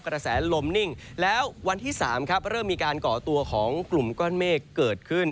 กระแสลมนิ่งแล้ววันที่๓ครับเริ่มมีการก่อตัวของกลุ่มก้อนเมฆเกิดขึ้น